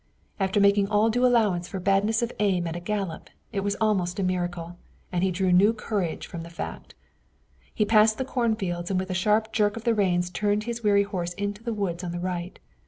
After making all due allowance for badness of aim at a gallop, it was almost a miracle, and he drew new courage from the fact. He passed the cornfields and with a sharp jerk of the reins turned his weary horse into the woods on the right.